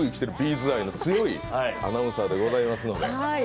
’ｚ愛の強いアナウンサーでございますので。